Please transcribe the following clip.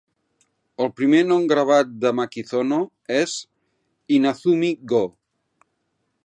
El primer nom gravat de Makizono és Inazumi-go.